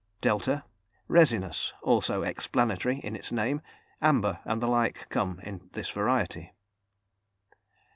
([delta]) Resinous, also explanatory in its name; amber and the like come in this variety.